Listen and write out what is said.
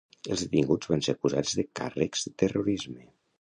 Els detinguts van ser acusats de càrrecs de terrorisme.